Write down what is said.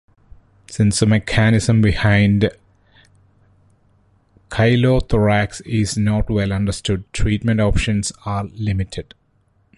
Since the mechanism behind chylothorax is not well understood, treatment options are limited.